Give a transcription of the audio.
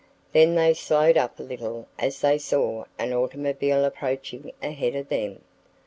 Then they slowed up a little as they saw an automobile approaching ahead of them.